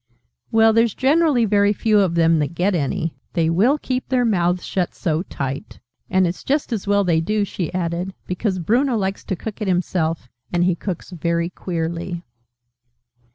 "Well, there's generally very few of them that get any. They will keep their mouths shut so tight! And it's just as well they do," she added, "because Bruno likes to cook it himself: and he cooks very queerly.